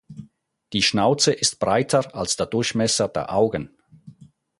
Die Schnauze ist breiter als der Durchmesser der Augen.